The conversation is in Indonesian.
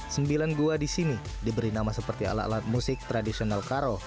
sembilan gua di sini diberi nama seperti alat alat musik tradisional karo